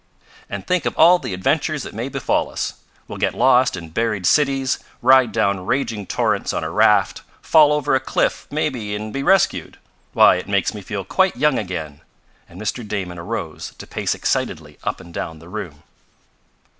"And think of all the adventures that may befall us! We'll get lost in buried cities, ride down raging torrents on a raft, fall over a cliff maybe and be rescued. Why, it makes me feel quite young again!" and Mr. Damon arose, to pace excitedly up and down the room.